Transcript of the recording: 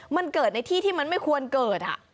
มันเกิดในที่ที่มันไม่ควรเกิด